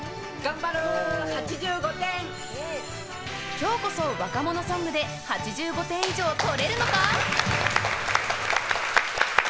今日こそ若者ソングで８５点以上取れるのか？